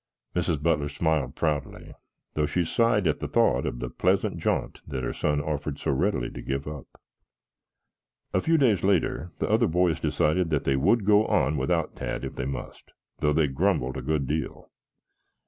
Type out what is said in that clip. Mrs. Butler smiled proudly, though she sighed at the thought of the pleasant jaunt that her son offered so readily to give up. A few days later the other boys decided that they would go on without Tad if they must, though they grumbled a good deal.